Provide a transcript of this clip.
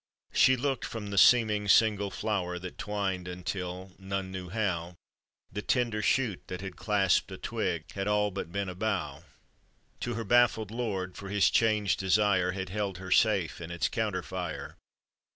She looked from the seeming single flower That twined until, none knew how, The tender shoot that had clasped a twig, Had all but bent u bough, To her baffled lord, for his changed desire Had held her safe in its counter fire.